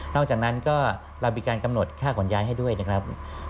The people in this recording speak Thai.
จากนั้นก็เรามีการกำหนดค่าขนย้ายให้ด้วยนะครับ